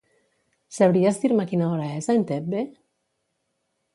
Sabries dir-me quina hora és a Entebbe?